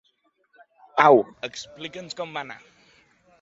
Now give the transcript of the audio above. Au, explica'ns com va anar.